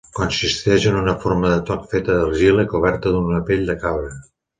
Consisteix en una forma de toc feta d'argila i coberta d'una pell de cabra.